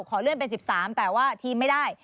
ขอเลื่อนเป็น๑๓แต่ว่าทีมไม่ได้